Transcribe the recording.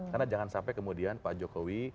karena jangan sampai kemudian pak jokowi